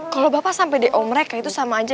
kalau bapak sampai di o mereka itu sama aja